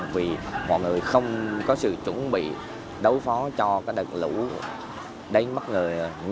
vì mọi người không có sự chuẩn bị đối phó cho đợt lũ đến bất ngờ